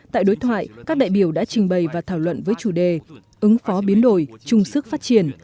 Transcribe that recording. tại đối thoại các đại biểu đã trình bày và thảo luận với chủ đề ứng phó biến đổi chung sức phát triển